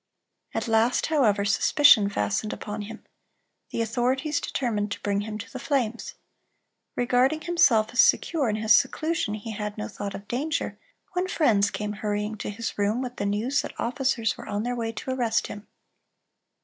At last, however, suspicion fastened upon him. The authorities determined to bring him to the flames. Regarding himself as secure in his seclusion, he had no thought of danger, when friends came hurrying to his room with the news that officers were on their way to arrest him.